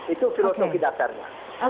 itu filosofi dasarnya